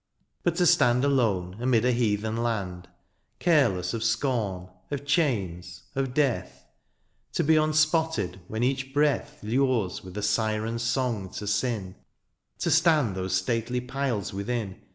But to stand Alone amid a heathen land. Careless of scorn, of chains, of death ; To be unspotted when each breath Lures with a syren^s song to sin ; To stand those stately piles within.